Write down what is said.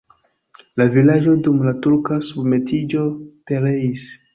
La vilaĝo dum la turka submetiĝo pereis.